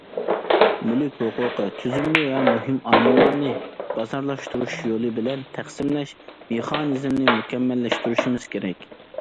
مۈلۈك ھوقۇقى تۈزۈمىنى ۋە مۇھىم ئامىللارنى بازارلاشتۇرۇش يولى بىلەن تەقسىملەش مېخانىزمىنى مۇكەممەللەشتۈرۈشىمىز كېرەك.